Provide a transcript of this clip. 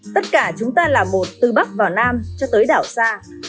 tất cả chúng ta là một từ bắc vào nam cho tới đảo xa